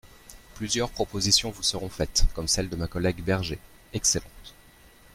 Plusieurs propositions vous seront faites, comme celle de ma collègue Berger, excellente.